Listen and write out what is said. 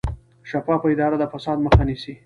شفافه اداره د فساد مخه نیسي